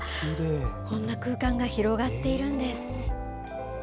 こんな空間が広がっているんです。